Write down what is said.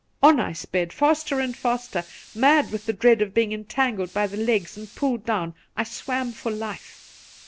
On I sped, faster and faster, mad with the dread of being entangled by the legs and pulled down — I swam for life.